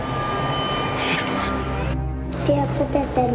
気を付けてね。